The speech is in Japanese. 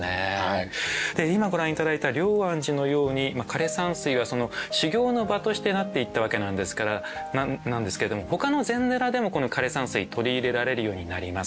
で今ご覧頂いた龍安寺のように枯山水は修行の場としてなっていったわけなんですけれどもほかの禅寺でもこの枯山水取り入れられるようになります。